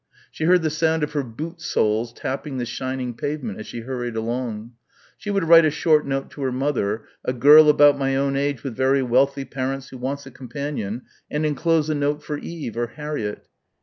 She heard the sound of her boot soles tapping the shining pavement as she hurried along ... she would write a short note to her mother "a girl about my own age with very wealthy parents who wants a companion" and enclose a note for Eve or Harriett